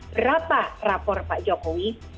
berapa rapor pak jokowi